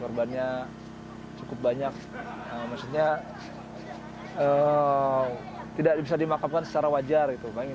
korbannya cukup banyak maksudnya tidak bisa dimakamkan secara wajar